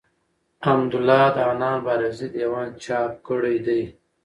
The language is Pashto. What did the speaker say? حمدالله د حنان بارکزي دېوان څاپ کړی دﺉ.